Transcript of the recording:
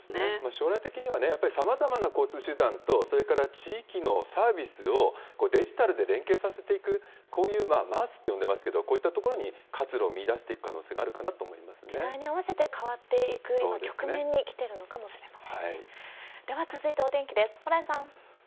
将来的にはやっぱりさまざまな交通手段と、それから地域のサービスをデジタルで連携させていく、こういうマースって呼んでますけれども、こういったところに活路を見いだしていく可能性があるかなと思い時代に合わせて変わっていく、「ポリグリップ」さてあそこの彼女の悩み。